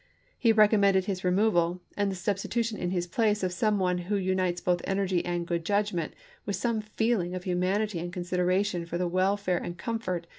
He recommended his removal " and the substitution in his place of some one who unites both energy and good judgment with some feeling of humanity and consideration for the wel fare and comfort